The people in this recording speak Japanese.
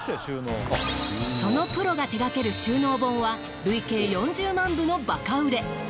そのプロが手がける収納本は累計４０万部のバカ売れ。